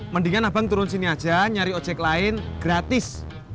mendingan abang turun sini aja nyari ojek lain gratis